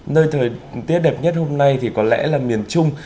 nơi thời tiết đẹp nhất hôm nay thì có lẽ là miền trung